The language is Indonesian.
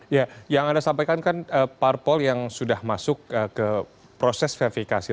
ya yang anda sampaikan kan parpol yang sudah masuk ke proses verifikasi